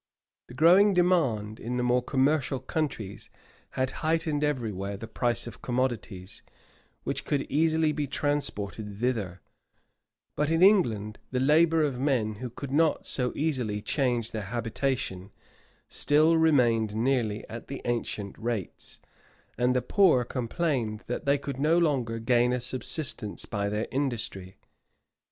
The growing demand in the more commercial countries had heightened every where the price of commodities, which could easily be transported thither; but in England, the labor of men, who could not so easily change their habitation, still remained nearly at the ancient rates, and the poor complained that they could no longer gain a subsistence by their industry.